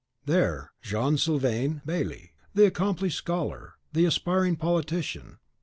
There Jean Silvain Bailly, the accomplished scholar, the aspiring politician.